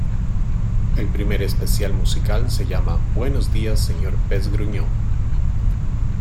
El primer especial musical se llama ¡Buenos Días, Sr. Pez Gruñón!